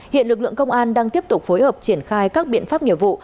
hiện lực lượng công an đang tiếp tục phối hợp triển khai các biện pháp nghiệp vụ